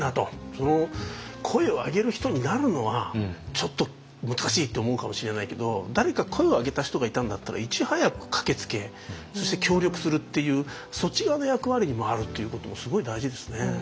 その声を上げる人になるのはちょっと難しいと思うかもしれないけど誰か声を上げた人がいたんだったらいち早く駆けつけそして協力するっていうそっち側の役割に回るっていうこともすごい大事ですね。